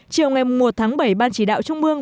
chiều ngày một tháng bảy ban chỉ đạo trung mương